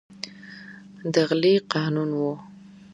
د غلې قانون و.